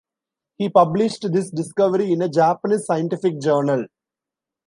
He published this discovery in a Japanese scientific journal.